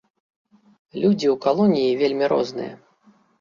Людзі ў калоніі вельмі розныя.